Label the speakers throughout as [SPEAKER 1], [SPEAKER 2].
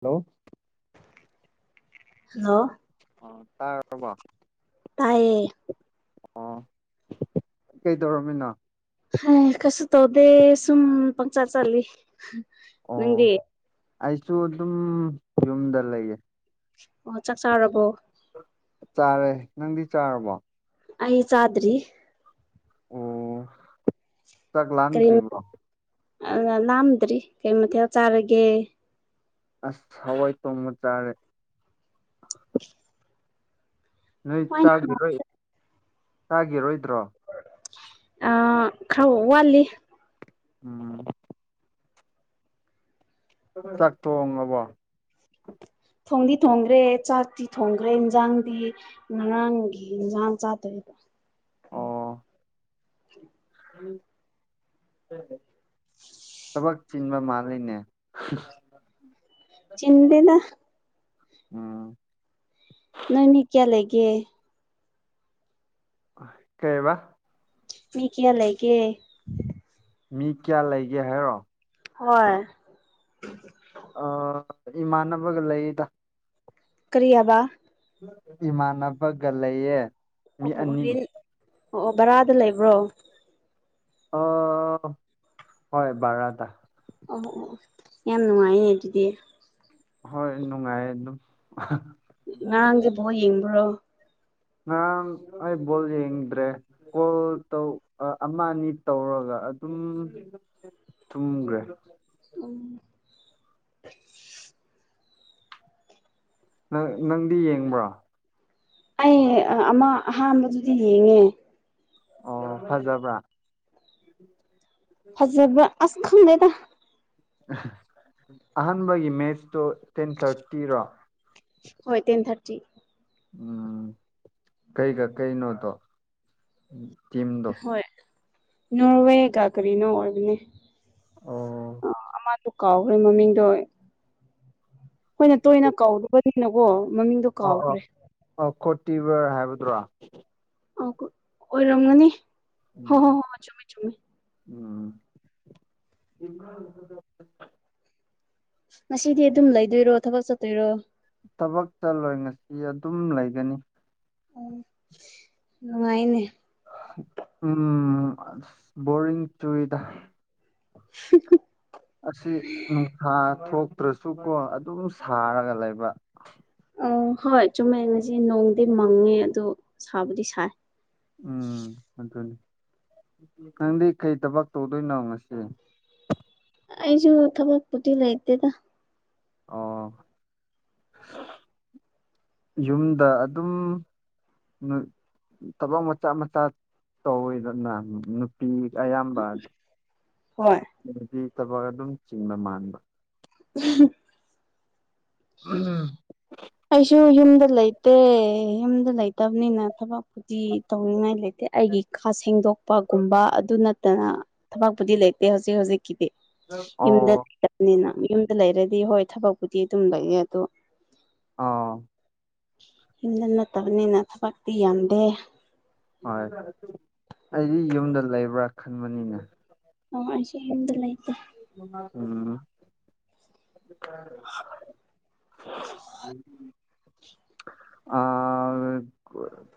[SPEAKER 1] Hello
[SPEAKER 2] hello
[SPEAKER 1] ꯑꯣ ꯇꯥꯔꯕꯣ
[SPEAKER 2] ꯇꯥꯏꯌꯦ
[SPEAKER 1] ꯑꯣ ꯀꯩ ꯇꯧꯔꯝꯃꯤꯅꯣ
[SPEAKER 2] ꯍ ꯀꯩꯁꯨ ꯇꯧꯗꯦ ꯁꯨꯝ ꯄꯪꯆꯠ ꯆꯠꯂꯤ
[SPEAKER 1] ꯑꯣ
[SPEAKER 2] ꯅꯪꯗꯤ
[SPEAKER 1] ꯑꯩꯁꯨ ꯑꯗꯨꯝ ꯌꯨꯝꯗ ꯂꯩꯌꯦ
[SPEAKER 2] ꯑꯣ ꯆꯥꯛ ꯆꯥꯔꯕꯣ
[SPEAKER 1] ꯆꯥꯔꯦ ꯅꯪꯗꯤ ꯆꯥꯔꯕꯣ
[SPEAKER 2] ꯑꯩ ꯆꯗ꯭ꯔꯤ
[SPEAKER 1] ꯑꯣ ꯆꯥꯛ ꯂꯥꯝꯗꯔꯤꯕꯔꯣ
[SPEAKER 2] ꯑꯗꯨꯅ ꯂꯥꯝꯗ꯭ꯔꯤ ꯀꯩ ꯃꯊꯦꯜ ꯆꯥꯔꯒꯦ
[SPEAKER 1] ꯑꯁ ꯍꯋꯥꯏ ꯊꯣꯡꯕ ꯆꯥꯔꯦ ꯅꯣꯏ
[SPEAKER 2] ꯍꯋꯥꯏꯅ
[SPEAKER 1] ꯆꯥꯈꯤꯔꯣꯏ ꯆꯥꯈꯤꯔꯣꯏꯗ꯭ꯔꯣ
[SPEAKER 2] ꯑ ꯈꯥꯔ ꯋꯥꯂꯤ
[SPEAKER 1] ꯎꯝ ꯆꯥꯛ ꯊꯣꯡꯉꯕꯣ
[SPEAKER 2] ꯊꯣꯡꯗꯤ ꯊꯣꯡꯈ꯭ꯔꯦ ꯆꯥꯛꯇꯤ ꯊꯣꯡꯈ꯭ꯔꯦ ꯏꯟꯖꯥꯡꯗꯤ ꯉꯔꯥꯡꯒꯤ ꯏꯟꯖꯥꯡ ꯆꯥꯗꯕꯤꯗ
[SPEAKER 1] ꯑꯣ
[SPEAKER 2] [inaudible]
[SPEAKER 1] [inaudible] ꯊꯕꯛ ꯆꯤꯟꯕ ꯃꯥꯜꯂꯤꯅꯦ
[SPEAKER 2] ꯆꯤꯟꯗꯦꯗ
[SPEAKER 1] ꯎꯝ
[SPEAKER 2] ꯅꯣꯢ ꯃꯤ ꯀꯌꯥ ꯂꯩꯒꯦ
[SPEAKER 1] ꯀꯩꯕ
[SPEAKER 2] ꯃꯤ ꯀꯌꯥ ꯂꯩꯒꯦ
[SPEAKER 1] ꯃꯤ ꯀꯌꯥ ꯂꯩꯒꯦ ꯍꯥꯏꯔꯣ
[SPEAKER 2] ꯍꯣꯏ [unintelligible]
[SPEAKER 1] ꯑ ꯏꯃꯥꯟꯅꯕꯒ ꯂꯩꯗ
[SPEAKER 2] ꯀꯔꯤ ꯍꯥꯢꯕ
[SPEAKER 1] ꯏꯃꯥꯟꯅꯕꯒ ꯂꯩꯌꯦ ꯃꯤ
[SPEAKER 2] ꯑꯣ ꯑꯣ
[SPEAKER 1] ꯑꯅꯤ
[SPEAKER 2] ꯔꯦꯟ ꯑꯣ ꯑꯣ ꯕꯔꯥꯗ ꯂꯩꯕ꯭ꯔꯣ
[SPEAKER 1] ꯑꯣ ꯍꯣꯏ ꯕꯔꯥꯗ
[SPEAKER 2] ꯑꯣ ꯑꯣ ꯌꯥꯝ ꯅꯨꯡꯉꯥꯏꯅꯦ ꯑꯗꯨꯗꯤ
[SPEAKER 1] ꯍꯣꯏ ꯅꯨꯡꯉꯥꯏꯌꯦ ꯑꯗꯨꯝ
[SPEAKER 2] ꯉꯔꯥꯡꯗꯤ ꯕꯣꯜ ꯌꯦꯡꯕ꯭ꯔꯣ
[SPEAKER 1] ꯉꯔꯥꯡ ꯑꯩ ꯕꯣꯜ ꯌꯦꯡꯗ꯭ꯔꯦ ꯀꯣꯜ ꯇꯧ ꯑꯃ ꯑꯅꯤ ꯇꯧꯔꯒ ꯑꯗꯨꯝ ꯇꯨꯝꯒꯔꯦ
[SPEAKER 2] ꯎꯝ
[SPEAKER 1] ꯅꯪ ꯅꯪꯗꯤ ꯌꯦꯡꯕ꯭ꯔꯣ
[SPEAKER 2] ꯑꯩ ꯑꯃ ꯑꯍꯥꯟꯕꯗꯨꯗꯤ ꯌꯦꯡꯉꯦ
[SPEAKER 1] ꯑꯣ ꯐꯖꯕ꯭ꯔꯥ
[SPEAKER 2] ꯐꯖꯕ ꯑꯁ ꯈꯪꯗꯦꯗ
[SPEAKER 1] ꯑꯍꯥꯟꯕꯒꯤ ꯃꯦꯠꯁꯇꯣ ꯇꯦꯟ ꯊꯥꯔꯇꯤꯔꯣ
[SPEAKER 2] ꯍꯣꯏ ꯇꯦꯟ ꯊꯥꯔꯇꯤ
[SPEAKER 1] ꯎꯝ ꯀꯩꯀ ꯀꯩꯅꯣꯗꯣ ꯇꯤꯝꯗꯣ
[SPEAKER 2] ꯍꯣꯏ ꯅꯣꯔꯋꯦꯒ ꯀꯔꯤꯅꯣ ꯑꯣꯏꯕꯅꯦ
[SPEAKER 1] ꯑꯣ
[SPEAKER 2] ꯑꯃꯗꯣ ꯀꯥꯎꯈ꯭ꯔꯦ ꯃꯃꯤꯡꯗꯣ ꯑꯩꯈꯣꯏꯅ ꯇꯣꯏꯅ ꯀꯧꯗꯕꯅꯤꯅꯀꯣ ꯃꯃꯤꯡꯗꯣ
[SPEAKER 1] ꯑꯣ ꯑꯣ
[SPEAKER 2] ꯀꯥꯎꯈ꯭ꯔꯦ
[SPEAKER 1] ꯑ ꯀꯣꯇꯤꯚꯔ ꯍꯥꯏꯕꯗꯨꯔꯣ
[SPEAKER 2] ꯑ ꯑꯣꯏꯔꯝꯒꯅꯤ ꯍꯣꯏ
[SPEAKER 1] ꯎꯝ
[SPEAKER 2] ꯍꯣꯏ ꯍꯣꯏ ꯍꯣꯏ ꯆꯨꯝꯃꯤ ꯆꯨꯝꯃꯦ
[SPEAKER 1] ꯎꯝ
[SPEAKER 2] ꯉꯁꯤꯗꯤ ꯑꯗꯨꯝ ꯂꯩꯗꯣꯏꯔꯣ ꯊꯕꯛ ꯆꯠꯇꯣꯏꯔꯣ
[SPEAKER 1] ꯊꯕꯛ ꯆꯠꯂꯣꯢ ꯉꯁꯤꯗꯤ ꯑꯗꯨꯝ ꯂꯩꯒꯅꯤ
[SPEAKER 2] ꯑꯣ ꯅꯨꯡꯉꯥꯏꯅꯦ
[SPEAKER 1] ꯎꯝ ꯕꯣꯔꯤꯡ ꯆꯨꯏꯗ
[SPEAKER 2] [unintelligible]
[SPEAKER 1] ꯑꯁꯤ ꯅꯨꯡꯁꯥ ꯊꯣꯛꯇ꯭ꯔꯁꯨꯀꯣ ꯑꯗꯨꯝ ꯁꯥꯔꯒ ꯂꯩꯕ
[SPEAKER 2] ꯑ ꯍꯣꯏ ꯆꯨꯝꯃꯦ ꯉꯁꯤ ꯅꯣꯡꯗꯤ ꯃꯪꯉꯦ ꯑꯗꯣ ꯁꯥꯕꯨꯗꯤ ꯁꯥꯏ
[SPEAKER 1] ꯎꯝ ꯑꯗꯨꯅꯤ ꯅꯪꯗꯤ ꯀꯩ ꯊꯕꯛ ꯇꯧꯗꯣꯏꯅꯣ ꯉꯁꯤ
[SPEAKER 2] ꯑꯩꯁꯨꯨ ꯊꯕꯛ ꯄꯨꯇꯤ ꯂꯩꯇꯦꯗ
[SPEAKER 1] ꯑꯣ ꯌꯨꯝꯗ ꯑꯗꯨꯝ ꯊꯕꯛ ꯃꯆꯥ ꯃꯆꯥ ꯇꯧꯋꯤꯗꯅ ꯄꯤ
[SPEAKER 2] ꯍꯣꯏ
[SPEAKER 1] ꯑꯌꯥꯝꯕꯗꯤ ꯊꯕꯛ ꯑꯗꯨꯝ ꯆꯤꯡꯕ ꯃꯥꯟꯕ
[SPEAKER 2] ꯎ [inaudible]
[SPEAKER 1] [inaudible]
[SPEAKER 2] ꯑꯩꯁꯨ ꯌꯨꯝꯗ ꯂꯩ ꯗ ꯌꯨꯝꯗ ꯂꯩꯇꯕꯅꯤꯅ ꯊꯕꯛꯄꯨꯗꯤ ꯇꯧꯅꯤꯡꯉꯥꯏ ꯂꯩꯇꯦ ꯑꯩꯒꯤ ꯀꯥ ꯁꯦꯡꯗꯣꯛ ꯒꯨꯝꯕ ꯑꯗꯨ ꯅꯠꯇꯅ ꯊꯕꯛꯄꯨꯗꯤ ꯂꯩꯇꯦ ꯍꯧꯖꯤꯛ ꯍꯧꯖꯤꯛꯀꯤꯗꯤ ꯌꯨꯝꯗ
[SPEAKER 1] ꯑꯣ
[SPEAKER 2] ꯂꯩꯇꯕꯅꯤꯅ ꯌꯨꯝꯗ ꯂꯩꯔꯗꯤ ꯍꯣꯏ ꯊꯕꯛꯄꯨꯗꯤ ꯑꯗꯨꯝ ꯂꯩꯑꯦ ꯑꯗꯣ
[SPEAKER 1] ꯑ
[SPEAKER 2] ꯌꯨꯝꯗ ꯅꯠꯇꯕꯅꯤꯅ ꯊꯕꯛꯇꯤ ꯌꯥꯝꯗꯦ
[SPEAKER 1] ꯍꯣꯏ ꯑꯩꯗꯤ ꯌꯨꯝꯗ ꯂꯩꯕ꯭ꯔꯥ ꯈꯟꯕꯅꯤꯅꯦ
[SPEAKER 2] ꯑꯣ ꯑꯩꯁꯤ ꯌꯨꯝꯗ ꯂꯥꯏꯇꯦ
[SPEAKER 1] ꯎꯝ [unintelligible] ꯑ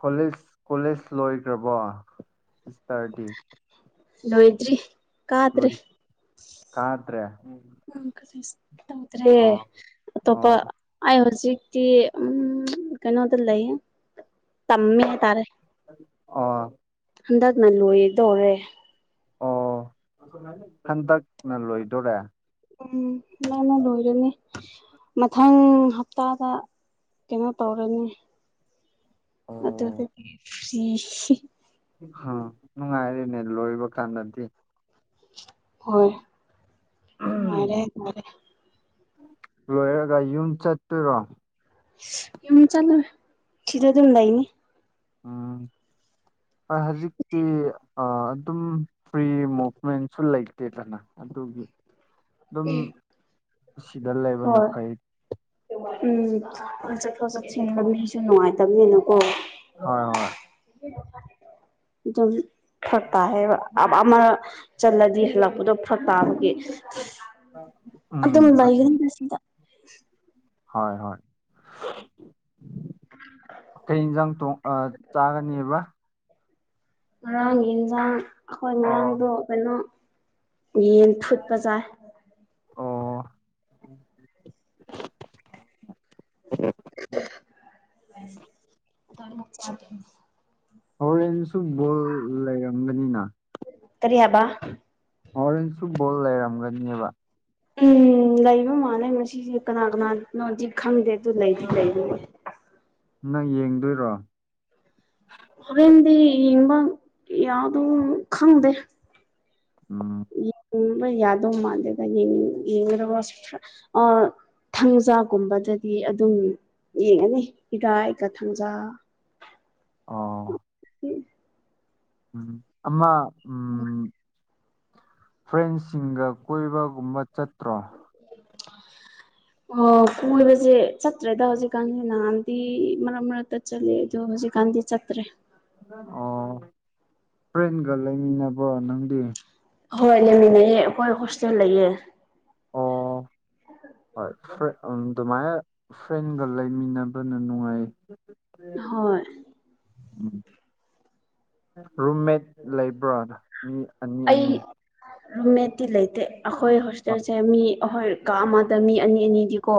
[SPEAKER 1] ꯀꯣꯂꯖ ꯀꯣꯂꯦꯖ ꯂꯣꯏꯒ꯭ꯔꯕꯣ ꯁꯤꯁꯁꯇꯔꯗꯤ
[SPEAKER 2] ꯂꯣꯏꯗꯔ꯭ꯤ
[SPEAKER 1] ꯂꯣꯏ ꯀꯥꯗ꯭ꯔꯦ
[SPEAKER 2] ꯎꯝ ꯀꯣꯂꯦꯖꯇꯤ ꯇꯧꯗ꯭ꯔꯦ
[SPEAKER 1] ꯑꯣ
[SPEAKER 2] ꯑꯇꯣꯞꯄ
[SPEAKER 1] ꯑꯣ
[SPEAKER 2] ꯑꯩ ꯍꯧꯖꯤꯛꯇꯤ ꯎꯝ ꯀꯩꯅꯣꯗ ꯂꯩꯌꯦ ꯇꯝꯃꯦ ꯍꯥꯏꯇꯥꯔꯦ
[SPEAKER 1] ꯑꯣ
[SPEAKER 2] ꯍꯟꯗꯛꯅ ꯂꯣꯏꯗꯣꯏꯔꯦ
[SPEAKER 1] ꯍꯟꯇꯛꯅ ꯂꯣꯏꯗꯣꯔꯦ
[SPEAKER 2] ꯎꯝ ꯅꯅ ꯂꯣꯏꯔꯅꯤ ꯃꯊꯪ ꯍꯞꯇꯥꯗ ꯀꯩꯅꯣ ꯇꯧꯔꯅꯤ ꯑꯗꯨꯗꯒꯤ [unintelligible]
[SPEAKER 1] ꯍ ꯅꯨꯡ ꯉꯥꯏꯔꯤꯅꯦ ꯂꯣꯏꯕ ꯀꯥꯟꯅꯗꯤ
[SPEAKER 2] ꯍꯣꯏ ꯅꯨꯉꯥꯏꯔꯦ ꯅꯨꯉꯥꯏꯔꯦ
[SPEAKER 1] ꯂꯣꯏꯔꯒ ꯌꯨꯝ ꯆꯠꯇꯨꯔꯣ
[SPEAKER 2] ꯌꯨꯝ ꯆꯠꯂꯣꯏ ꯁꯤꯗ ꯗꯨꯝ ꯂꯩꯅꯤ
[SPEAKER 1] ꯎꯝ ꯍ ꯍꯧꯖꯤꯛꯇꯤ ꯑꯗꯨꯝ ꯐ꯭ꯔꯤ ꯃꯨꯚꯃꯦꯟꯁꯨ ꯂꯩꯇꯦꯗꯅ ꯑꯗꯨꯒꯤ ꯑꯗꯨꯝ ꯁꯤꯗ ꯂꯩꯕꯅ
[SPEAKER 2] ꯍꯣꯏ
[SPEAKER 1] ꯐꯩ
[SPEAKER 2] ꯎꯝ ꯆꯠꯊꯣ ꯆꯠꯁꯤꯟ ꯂꯝꯕꯤꯁꯨ ꯅꯨꯡꯉꯥꯏꯇꯕꯅꯤꯅꯀꯣ
[SPEAKER 1] ꯍꯣꯏ ꯍꯣꯏ
[SPEAKER 2] ꯗꯨꯝ ꯐꯔꯛ ꯇꯥꯌꯦꯕ ꯑ ꯑꯃ ꯆꯜꯂꯗꯤ ꯍꯜꯂꯛꯄꯗꯣ ꯐꯔꯛ ꯇꯥꯕꯒꯤ
[SPEAKER 1] ꯎꯝ
[SPEAKER 2] ꯑꯗꯨꯝ
[SPEAKER 1] ꯑꯗꯨ
[SPEAKER 2] ꯂꯩꯒꯅꯤ ꯁꯤꯗ
[SPEAKER 1] ꯍꯣꯏ ꯍꯣꯏ ꯀꯩ ꯌꯦꯟꯁꯥꯡ ꯊꯣꯡ ꯆꯥꯒꯅꯦꯕ
[SPEAKER 2] ꯉꯔꯥꯡꯒꯤ ꯌꯦꯟꯁꯥꯡ ꯑꯩꯈꯣꯏ
[SPEAKER 1] ꯑꯣ
[SPEAKER 2] ꯉꯔꯥꯡꯗꯣ ꯀꯩꯅꯣ ꯌꯦꯟ ꯊꯨꯠꯄ ꯆꯥꯏ
[SPEAKER 1] ꯑꯣ
[SPEAKER 2] ꯔ [unintelligible]
[SPEAKER 1] ꯍꯣꯔꯦꯟꯁꯨ ꯕꯣꯜ ꯂꯩꯔꯝꯒꯅꯤꯅ
[SPEAKER 2] ꯀꯔꯤ ꯍꯥꯏꯕ
[SPEAKER 1] ꯍꯣꯔꯦꯟꯁꯨ ꯕꯣꯜꯂꯦ ꯂꯩꯔꯝꯒꯅꯤꯕ
[SPEAKER 2] ꯎꯝ ꯂꯩꯕ ꯃꯥꯥꯟꯂꯦ ꯉꯁꯤꯁꯦ ꯀꯅꯥ ꯀꯅꯥꯅꯣꯗꯤ ꯈꯪꯗꯦ ꯑꯗꯨ ꯂꯩꯗꯤ ꯂꯩꯕꯅꯦ
[SPEAKER 1] ꯅꯪ ꯌꯦꯡꯗꯣꯏꯔꯣ
[SPEAKER 2] ꯍꯣꯔꯦꯟꯗꯤ ꯌꯦꯡꯕ ꯌꯥꯗꯣ ꯈꯪꯗꯦ
[SPEAKER 1] ꯎꯝ
[SPEAKER 2] ꯌꯦꯡꯉꯕ ꯌꯥꯗꯧ ꯃꯥꯟꯗꯦꯒ ꯌꯦ ꯌꯦꯡꯉ꯭ꯔꯒ ꯑ ꯊꯥꯡꯖꯥꯒꯨꯝꯕꯗꯗꯤ ꯑꯗꯨꯝ ꯌꯦꯡꯉꯅꯤ ꯏꯔꯥꯏꯒ ꯊꯥꯡꯖꯥ
[SPEAKER 1] ꯑꯣ
[SPEAKER 2] ꯎꯝ
[SPEAKER 1] ꯎꯝ ꯑꯃ
[SPEAKER 2] ꯎꯝ
[SPEAKER 1] ꯐ꯭ꯔꯦꯟꯁꯤꯡꯒ ꯀꯣꯏꯕꯒꯨꯝꯕ ꯆꯠꯇ꯭ꯔꯣ [inaudible]
[SPEAKER 2] ꯑꯣ ꯀꯣꯏꯕꯁꯦ ꯆꯠꯇ꯭ꯔꯦꯗ ꯍꯧꯖꯤꯛꯀꯥꯟꯁꯦ ꯅꯍꯥꯟꯗꯤ ꯃꯔꯛ ꯃꯔꯛꯇ ꯆꯠꯂꯦ ꯑꯗꯣ ꯍꯧꯖꯤꯛꯀꯥꯟꯗꯤ ꯆꯠꯇ꯭ꯔꯦ
[SPEAKER 1] ꯑꯣ ꯐ꯭ꯔꯦꯟꯒ ꯂꯩꯃꯤꯟꯅꯕ꯭ꯔꯣ ꯅꯪꯗꯤ
[SPEAKER 2] ꯍꯣꯏ ꯂꯩꯃꯤꯟꯅꯩꯌꯦꯦ ꯑꯩꯈꯣꯏ ꯍꯣꯁꯇꯦꯜ ꯂꯩꯌꯦ
[SPEAKER 1] ꯑꯣ ꯍꯣꯏ ꯐ꯭ꯔꯦꯟ ꯑꯗꯨꯃꯥꯏꯅ ꯐ꯭ꯔꯦꯟꯒ ꯂꯩꯃꯤꯟꯅꯕꯅ ꯅꯨꯡꯉꯥꯏ
[SPEAKER 2] ꯍꯣꯏ
[SPEAKER 1] ꯎꯝ ꯔꯨꯝꯃꯦꯠ ꯂꯩꯕ꯭ꯔꯣꯃꯤ
[SPEAKER 2] ꯑꯩ ꯔꯨꯝꯃꯦꯠꯇꯤ ꯂꯩꯇꯦ ꯑꯩꯈꯣꯏ
[SPEAKER 1] ꯑꯥ
[SPEAKER 2] ꯍꯣꯁꯇꯦꯜꯁꯦ ꯃꯤ ꯑꯍꯣꯏ ꯀꯥ ꯑꯃꯗ ꯃꯤ ꯑꯅꯤ ꯑꯅꯤꯗꯤꯀꯣ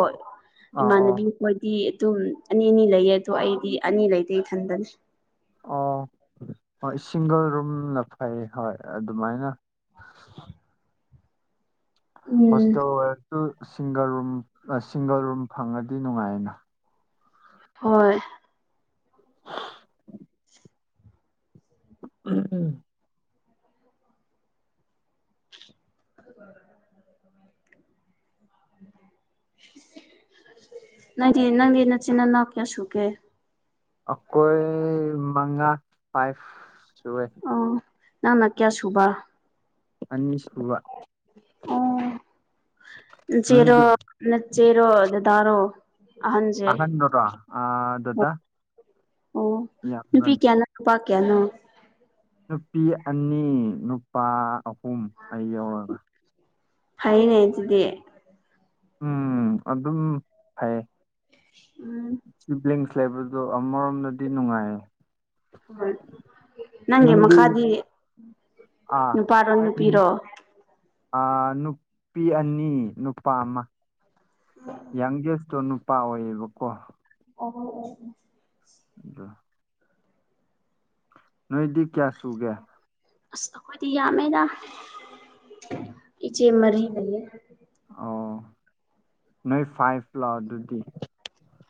[SPEAKER 1] ꯑꯣ
[SPEAKER 2] ꯏꯃꯥꯟꯅꯕꯤ ꯃꯣꯏꯗꯤ ꯑꯗꯨꯝ ꯑꯅꯤ ꯑꯅꯤ ꯂꯩꯌꯦ ꯑꯗꯣ ꯑꯩꯗꯤ ꯑꯅꯤ ꯂꯩꯇꯦ ꯏꯊꯟꯇꯅꯦ
[SPEAKER 1] ꯑꯣ ꯍꯣꯏ ꯁꯤꯡꯒꯜ ꯔꯨꯝꯅ ꯐꯩ ꯍꯣꯏ ꯑꯗꯨꯃꯥꯏꯅ
[SPEAKER 2] ꯎꯝ
[SPEAKER 1] ꯍꯣꯁꯇꯦꯜ ꯑꯣꯏꯔꯁꯨ ꯁꯤꯡꯒꯜ ꯔꯨꯝ ꯁꯤꯡꯒꯜ ꯔꯨꯝ ꯐꯪꯉꯗꯤ ꯅꯨꯡꯉꯥꯏꯅ
[SPEAKER 2] ꯍꯣꯏ
[SPEAKER 1] ꯎꯝ ꯎꯝ
[SPEAKER 2] [unintelligible] ꯅꯪꯗꯤ ꯅꯪꯒꯤ ꯅꯆꯤꯟ ꯏꯅꯥꯎ ꯀꯌꯥ ꯁꯨꯒꯦ
[SPEAKER 1] ꯑꯩꯈꯣꯏ ꯃꯉꯥ ꯐꯥꯏꯚ ꯁꯨꯋꯦ
[SPEAKER 2] ꯑ ꯅꯪꯅ ꯀꯌꯥ ꯁꯨꯕ
[SPEAKER 1] ꯑꯅꯤꯁꯨꯕ
[SPEAKER 2] ꯑꯣ ꯅꯆꯦꯔꯣ
[SPEAKER 1] ꯅꯣꯏꯗꯤ
[SPEAKER 2] ꯅꯆꯦꯔꯣ ꯗꯗꯥꯔꯣ ꯑꯍꯟꯁꯦ
[SPEAKER 1] ꯑꯍꯟꯗꯨꯔꯣ ꯑ ꯗꯥꯗꯥ
[SPEAKER 2] ꯑꯣ ꯅꯨꯄꯤ ꯀꯌꯥꯅꯣ ꯅꯨꯄꯥꯥ ꯀꯌꯥꯅꯣ
[SPEAKER 1] ꯅꯨꯄꯤ ꯑꯅꯤ ꯅꯨꯄꯥ ꯑꯍꯨꯝ ꯑꯩ ꯌꯥꯎꯔꯒ
[SPEAKER 2] ꯐꯩꯅꯦ ꯑꯗꯨꯗꯤ
[SPEAKER 1] ꯎꯝ ꯑꯗꯨꯝ ꯐꯩꯌꯦ
[SPEAKER 2] ꯎꯝ
[SPEAKER 1] ꯁꯤꯕꯤꯂꯡꯁ ꯂꯩꯕꯔꯗꯣ ꯑꯃꯔꯣꯝꯗꯗꯤ ꯅꯨꯡꯉꯥꯏꯌꯦ
[SPEAKER 2] [unintelligible] ꯅꯪꯒꯤ
[SPEAKER 1] ꯅꯪꯗꯤ
[SPEAKER 2] ꯃꯈꯥꯗꯤ
[SPEAKER 1] ꯑꯥ
[SPEAKER 2] ꯅꯨꯄꯥꯔꯣ
[SPEAKER 1] ꯑꯩꯗꯤ
[SPEAKER 2] ꯅꯨꯄꯤꯔꯣ
[SPEAKER 1] ꯅꯨꯄꯤ ꯑꯅꯤ ꯅꯨꯄꯥ ꯑꯃ
[SPEAKER 2] [unintelligible]
[SPEAKER 1] ꯌꯥꯪꯒꯦꯁꯇꯣ ꯅꯨꯄꯥ ꯑꯣꯏꯌꯦꯕꯀꯣ
[SPEAKER 2] [unintelligible]
[SPEAKER 1] ꯑꯗ ꯅꯣꯏꯗꯤ ꯀꯌꯥ ꯁꯨꯒꯦ
[SPEAKER 2] ꯑꯁ ꯑꯩꯈꯣꯏꯗꯤ ꯌꯥꯝꯃꯦꯗ ꯏꯆꯦ ꯃꯔꯤ ꯂꯩꯌꯦ
[SPEAKER 1] ꯑꯣ ꯅꯣꯏ ꯐꯥꯏꯚ ꯂꯣ ꯑꯗꯨꯗꯤ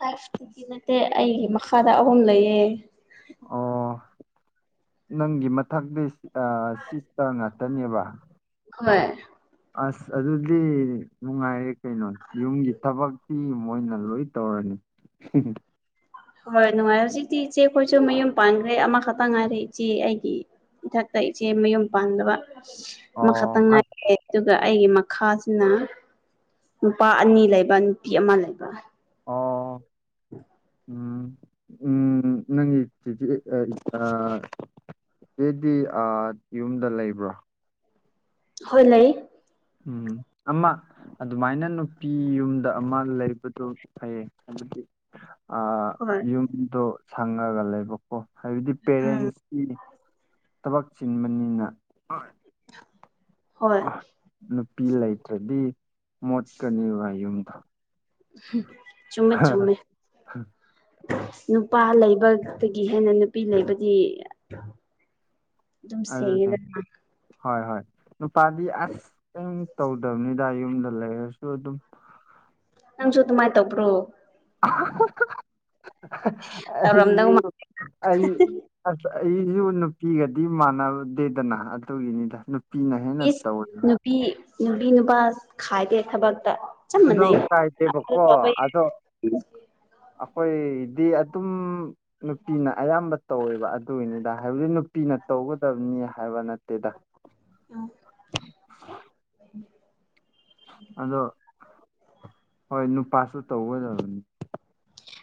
[SPEAKER 2] ꯐꯥꯏꯐꯇꯤꯗꯤ ꯅꯠꯇꯦ ꯑꯩꯒꯤ ꯃꯈꯥꯗ ꯑꯍꯨꯝ ꯂꯩꯌꯦ
[SPEAKER 1] ꯑꯣ ꯅꯪꯒꯤ ꯃꯊꯛꯇꯤ ꯁꯤꯁꯇꯔ ꯉꯥꯛꯇꯅꯦꯕ
[SPEAKER 2] ꯍꯣꯏ
[SPEAKER 1] ꯑꯁ ꯑꯗꯨꯗꯤ ꯅꯨꯡꯉꯥꯏꯔꯦ ꯀꯩꯅꯣ ꯌꯨꯝꯒꯤ ꯊꯕꯛ ꯁꯤ ꯃꯣꯏꯅ ꯂꯣꯏ ꯇꯧꯔꯅꯤ
[SPEAKER 2] ꯍꯣꯏ ꯅꯨꯡꯉꯥꯏꯔꯦ ꯍꯧꯖꯤꯛꯇꯤ ꯏꯆꯦ ꯈꯣꯏꯁꯨ ꯃꯌꯨꯝ ꯄꯥꯟꯈ꯭ꯔꯦ ꯑꯃꯈꯛꯇ ꯉꯥꯏꯔꯦ ꯏꯆꯦ ꯑꯩꯒꯤ ꯏꯊꯛꯇ ꯏꯆꯦ ꯃꯌꯨꯝ ꯄꯥꯟꯗꯕ
[SPEAKER 1] ꯑꯣ
[SPEAKER 2] ꯑꯃꯈꯛꯇꯪ
[SPEAKER 1] ꯃꯥ
[SPEAKER 2] ꯉꯥꯏꯔꯦ ꯑꯗꯨꯒ ꯑꯩꯒꯤ ꯃꯈꯥꯁꯤꯅ ꯅꯨꯄꯥ ꯑꯅꯤ ꯂꯩꯕ ꯅꯨꯄꯤ ꯑꯃ ꯂꯩꯕ
[SPEAKER 1] ꯑꯣ
[SPEAKER 2] [unintelligible]
[SPEAKER 1] ꯎꯝ ꯎꯝ ꯅꯪ [unintelligible] ꯆꯦꯗꯤ ꯑ ꯌꯨꯝꯗ ꯂꯩꯕ꯭ꯔꯣ
[SPEAKER 2] ꯍꯣꯏ ꯂꯩ
[SPEAKER 1] ꯎꯝ ꯑꯃ ꯑꯗꯨꯃꯥꯏꯅ ꯅꯨꯄꯤ ꯌꯨꯝꯗ ꯑꯃ ꯂꯩꯕꯗꯣ ꯐꯩꯌꯦ ꯍꯥꯏꯕꯗꯤ ꯑ
[SPEAKER 2] ꯍꯣꯏ
[SPEAKER 1] ꯌꯨꯝꯗꯣ ꯁꯪꯉꯒ ꯂꯩꯕꯀꯣ ꯍꯥꯏꯕꯗꯤ
[SPEAKER 2] ꯎꯝ
[SPEAKER 1] ꯄꯦꯔꯦꯟꯁ ꯊꯕꯛ ꯆꯤꯟꯕꯅꯤꯅ
[SPEAKER 2] ꯍꯣꯏ
[SPEAKER 1] ꯑꯥ, ꯅꯨꯄꯤ ꯂꯩꯇ꯭ꯔꯗꯤ ꯃꯣꯠꯀꯅꯤ ꯋꯥ ꯌꯨꯝꯗꯣ
[SPEAKER 2] ꯆꯨꯝꯃꯦ ꯆꯨꯝꯃꯦ ꯅꯨꯄꯥ ꯂꯩꯕꯒꯤ ꯍꯦꯟꯅ ꯅꯨꯄꯤ ꯂꯩꯕꯗꯤ ꯑꯗꯨꯝ ꯁꯦꯡꯉꯦꯗꯅ
[SPEAKER 1] ꯍ ꯍ ꯅꯨꯄꯥꯕꯤ ꯑꯁ ꯀꯩꯏꯝ ꯇꯧꯗꯕꯅꯤꯗ ꯌꯨꯝꯗ ꯂꯩꯔꯁꯨ ꯑꯗꯨꯝ
[SPEAKER 2] ꯅꯪꯁꯨꯨ ꯇꯃꯥꯏ ꯇꯕꯣ ꯇꯧꯔꯝꯗꯧ ꯃꯥ
[SPEAKER 1] ꯑꯨ ꯑ ꯑꯁ ꯑꯩꯁꯨ ꯅꯨꯄꯤꯒꯗꯤ ꯃꯥꯟꯅꯔꯨꯗꯦꯗꯅ ꯑꯗꯨꯒꯤꯅꯤꯗ ꯄꯄꯤꯅ ꯍꯦꯟꯅ
[SPEAKER 2] ꯏꯁ
[SPEAKER 1] ꯇꯧꯋꯦꯕ
[SPEAKER 2] ꯅꯨꯄꯤ ꯅꯨꯄꯤ ꯅꯨꯄꯥ ꯈꯥꯏꯗꯦ ꯊꯕꯛꯇ ꯆꯞ
[SPEAKER 1] ꯑꯗꯣ
[SPEAKER 2] ꯃꯥꯟꯅꯩ
[SPEAKER 1] ꯀꯥꯏꯗꯦꯕꯀꯣ ꯑꯗꯣ ꯑꯩꯈꯣꯏꯗꯤ ꯑꯗꯨꯝ ꯅꯨꯄꯤꯅ ꯑꯌꯥꯝꯕ ꯇꯧꯋꯦꯕ ꯑꯗꯨꯒꯤꯅꯤꯗ ꯍꯥꯏꯕꯗꯤ ꯄꯤꯅ ꯇꯧꯒꯗꯕꯅꯤ ꯍꯥꯏꯕ ꯅꯠꯇꯦꯗ
[SPEAKER 2] ꯑ
[SPEAKER 1] ꯑꯗꯣ ꯍꯣꯏ ꯅꯨꯄꯥꯁꯨ ꯇꯧꯒꯗꯕꯅꯤ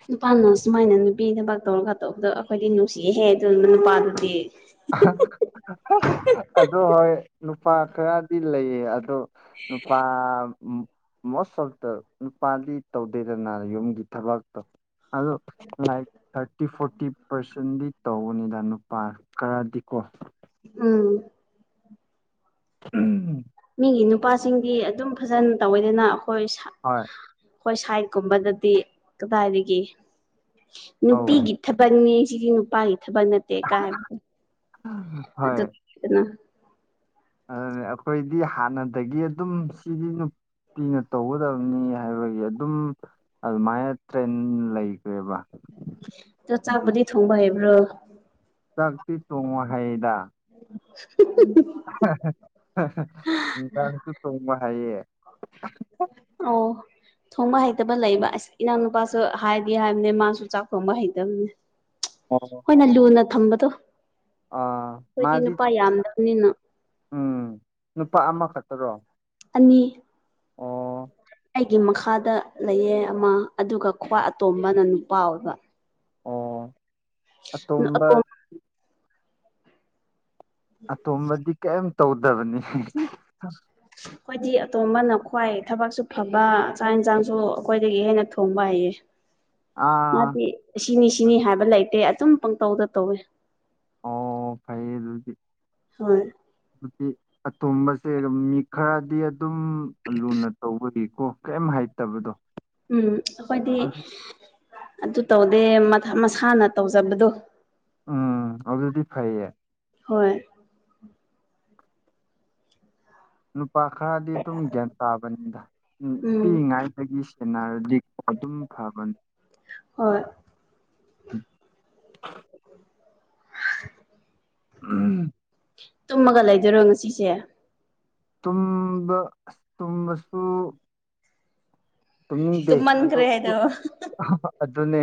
[SPEAKER 2] ꯅꯨꯄꯥꯅ ꯁꯨꯃꯥꯏꯅ ꯅꯨꯄꯤ ꯊꯕꯛ ꯇꯧꯔꯒ ꯇꯧꯕꯗꯣ ꯑꯩꯈꯣꯏꯗꯤ ꯅꯨꯡꯁꯤꯍꯦ ꯑꯗꯨꯅ ꯅꯨꯄꯥꯗꯨꯗꯤ
[SPEAKER 1] ꯑꯗꯣ ꯍꯣꯏ ꯅꯨꯄꯥ ꯈꯔꯗꯤ ꯂꯩꯌꯦ ꯑꯗꯣ ꯅꯨꯄꯥ ꯃꯣꯁ ꯑꯣꯐ ꯗ ꯅꯨꯄꯥꯗꯤ ꯇꯧꯗꯦꯗꯅ ꯌꯨꯝꯒꯤ ꯊꯕꯥꯛꯇꯣ ꯑꯗꯣ ꯂꯥꯏꯛ ꯊꯥꯔꯇꯤ ꯐꯣꯔꯇꯤ ꯄꯥꯔꯁꯦꯟꯗꯤ ꯇꯧꯕꯅꯤꯗ ꯅꯨꯄꯥ ꯀꯔꯗꯤꯀꯣ
[SPEAKER 2] ꯎꯝ
[SPEAKER 1] ꯎꯝ
[SPEAKER 2] ꯃꯤꯒꯤ ꯅꯨꯄꯥꯁꯤꯡꯗꯤ ꯑꯗꯨꯝ ꯐꯖꯅ ꯇꯧꯋꯦꯗꯅ ꯑꯩꯈꯣꯏ
[SPEAKER 1] ꯍꯣꯏ
[SPEAKER 2] ꯍꯣꯏ ꯁꯥꯏꯠꯀꯨꯝꯕꯗꯗꯤ ꯀꯗꯥꯏꯗꯒꯤ
[SPEAKER 1] ꯑꯧ
[SPEAKER 2] ꯅꯨꯄꯤꯒꯤ ꯊꯥꯕꯛꯅꯤ ꯁꯤꯗꯤ ꯅꯨꯄꯥꯒꯤ ꯊꯥꯕꯛ ꯅꯠꯇꯦ ꯀꯥꯏ ꯍꯥꯏꯕꯗꯣ
[SPEAKER 1] ꯍꯣꯏ
[SPEAKER 2] ꯑꯗꯨꯗꯅ
[SPEAKER 1] ꯑꯗꯨꯅꯦ ꯑꯩꯈꯣꯏꯗꯤ ꯍꯥꯟꯅꯗꯒꯤ ꯑꯗꯨꯝ ꯁꯤꯒꯤ ꯄꯤꯅ ꯇꯧꯒꯗꯕꯅꯤ ꯍꯥꯏꯕꯒꯤ ꯑꯗꯨꯝ ꯑꯗꯨꯃꯥꯏꯅ ꯇ꯭ꯔꯦꯟ ꯂꯩꯈ꯭ꯔꯦꯕ ꯑꯗꯨ
[SPEAKER 2] ꯁꯣꯡꯕ ꯍꯩꯕ꯭ꯔꯣ
[SPEAKER 1] ꯆꯥꯛꯇꯤ ꯇꯣꯡꯉ ꯍꯥꯏꯗ
[SPEAKER 2] [inaudible]
[SPEAKER 1] ꯍꯥ ꯍ ꯍ ꯗꯥꯥꯡꯁꯨ ꯁꯣꯡꯕ ꯍꯥꯏꯌꯦ [unintelligible]
[SPEAKER 2] ꯑꯣ ꯊꯣꯡꯕ ꯍꯩꯇꯕ ꯂꯩꯕ ꯑꯁ ꯏꯅꯥꯎ ꯅꯨꯄꯥꯁꯨ ꯍꯥꯏꯗꯤ ꯍꯥꯏꯕꯅꯦ ꯃꯥꯁꯨ ꯆꯥꯛ ꯊꯣꯡꯕ ꯍꯩꯇꯕꯅꯦ ꯑꯩꯈꯣꯏꯅ ꯂꯨꯅ ꯊꯝꯕꯗꯣ
[SPEAKER 1] ꯑꯥ
[SPEAKER 2] ꯑꯩꯈꯣꯏꯗꯤ
[SPEAKER 1] ꯃꯥꯗꯤ
[SPEAKER 2] ꯅꯨꯄꯥ ꯌꯥꯝꯗꯕꯅꯤꯅ
[SPEAKER 1] ꯎꯝ ꯅꯨꯄꯥ ꯑꯃꯈꯛ ꯇꯔꯣ
[SPEAKER 2] ꯑꯅꯤ ꯑꯩꯒꯤ ꯃꯈꯥꯗ ꯂꯩꯌꯦ ꯑꯃ ꯑꯗꯨꯒ ꯈ꯭ꯋꯥ ꯑꯇꯣꯝꯕꯅ ꯅꯨꯄꯥ ꯑꯣꯏꯕ
[SPEAKER 1] ꯑꯣ ꯑꯇꯣꯝꯕ
[SPEAKER 2] ꯑꯇꯣꯝ
[SPEAKER 1] ꯑꯇꯣꯝꯕꯗꯤ ꯀꯩꯝ ꯇꯧꯗꯕꯅꯤ
[SPEAKER 2] ꯑꯩꯈꯣꯏꯗꯤ ꯑꯇꯣꯝꯕꯅ ꯈ꯭ꯋꯥꯏ ꯊꯕꯛꯁꯨ ꯐꯕ ꯆꯥꯛ ꯌꯦꯟꯁꯥꯡꯁꯨ ꯑꯩꯈꯣꯏꯗꯒꯤ ꯍꯦꯟꯅ ꯊꯣꯡꯕ ꯍꯩꯌꯦ꯫
[SPEAKER 1] [inaudible]
[SPEAKER 2] ꯃꯥꯗꯤ ꯁꯤꯅꯤ ꯁꯤꯅꯤ ꯍꯥꯏꯕ ꯂꯩꯇꯦ ꯑꯆꯨꯝ ꯄꯪꯇꯧꯗ ꯇꯧꯋꯦ
[SPEAKER 1] ꯑꯣ ꯐꯩꯌꯦ ꯑꯗꯨꯗꯤ
[SPEAKER 2] ꯍꯣꯏ
[SPEAKER 1] [unintelligible] ꯑꯇꫭꯝꯕꯁꯦ ꯃꯤ ꯈꯔꯗꯤ ꯑꯗꯨꯝ ꯂꯨꯅ ꯇꯧꯕꯒꯤꯀꯣ ꯀꯔꯤꯝ ꯍꯥꯏꯇꯕꯗꯣ
[SPEAKER 2] ꯎꯝ ꯑꯩꯈꯣꯏꯗꯤ ꯑꯗꯨ ꯇꯧꯗꯦ ꯃꯊ ꯃꯁꯥꯅ ꯇꯧꯖꯕꯗꯣ
[SPEAKER 1] ꯎꯝ ꯑꯗꯨꯗꯤ ꯐꯩꯌꯦ
[SPEAKER 2] ꯍꯣꯏ
[SPEAKER 1] ꯅꯨꯄꯥ ꯈꯔꯗꯤ ꯑꯗꯨꯝ ꯒ꯭ꯌꯥꯟ ꯇꯥꯕꯅꯤꯗ ꯎꯝ ꯄꯤꯛꯏꯉꯥꯏꯗꯒꯤ ꯁꯦꯟꯅꯔ ꯂꯤꯄ ꯑꯗꯨꯝ ꯐꯕꯅꯦ
[SPEAKER 2] ꯍꯣꯏ
[SPEAKER 1] [unintelligible]
[SPEAKER 2] ꯇꯨꯝꯃꯒ ꯂꯩꯗꯣꯏꯔꯣ ꯉꯁꯤꯁꯦ
[SPEAKER 1] ꯇꯨꯝꯕ ꯇꯨꯝꯕꯁꯨ ꯇꯨꯝꯅꯤꯡꯗꯦ ꯑꯗꯨ
[SPEAKER 2] ꯇꯨꯝꯃꯟꯈ꯭ꯔꯦ ꯍꯥꯏꯗꯣ
[SPEAKER 1] [unintelligible] ꯑꯗꯨꯅꯦ